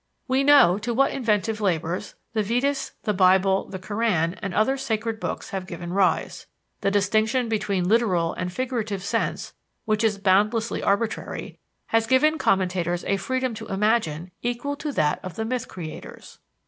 We know to what inventive labors the Vedas, the Bible, the Koran, and other sacred books have given rise. The distinction between literal and figurative sense, which is boundlessly arbitrary, has given commentators a freedom to imagine equal to that of the myth creators.